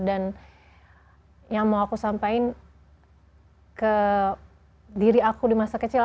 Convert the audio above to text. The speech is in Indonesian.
dan yang mau aku sampaikan ke diri aku di masa kecil